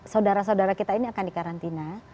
saudara saudara kita ini akan di karantina